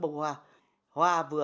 đó là hoa hóa và họa